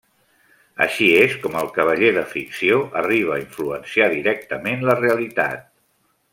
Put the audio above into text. Així és com el cavaller de ficció arriba a influenciar directament la realitat.